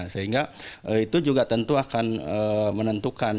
sehingga itu juga tentu akan menentukan